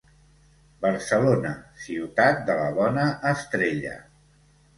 Barcelona, ciutat de la bona estrella.